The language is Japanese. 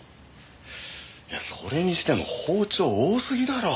いやそれにしても包丁多すぎだろ。